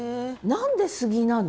何で杉なの？